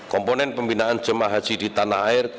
komponen pembinaan jemaah haji di tanah air